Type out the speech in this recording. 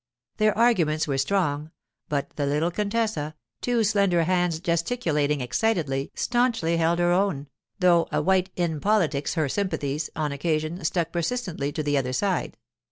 Their arguments were strong, but the little contessa, two slender hands gesticulating excitedly, stanchly held her own; though a 'White' in politics, her sympathies, on occasion, stuck persistently to the other side.